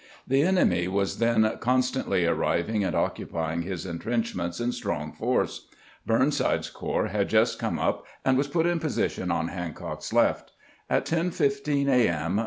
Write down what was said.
The enemy was then constantly arriving and occupying his intrenchments in strong force. Burn side's corps had just come up, and was put in position on Hancock's left. At 10 : 15 a. m.